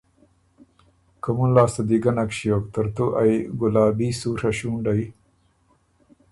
کومُن لاسته دی ګۀ نک ݭیوک ترتو ائ ګلابی سُوڒه ݭُونډئ